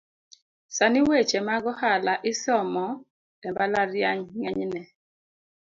Sani weche mag ohala isomo embalariany ng’enyne